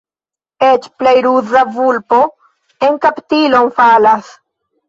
Eĉ plej ruza vulpo en kaptilon falas.